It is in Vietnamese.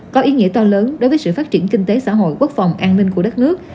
có ý nghĩa to lớn đối với sự phát triển kinh tế xã hội quốc phòng an ninh của đất nước